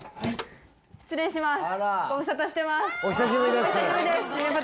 はい失礼します。